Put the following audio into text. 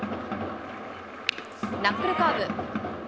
ナックルカーブ。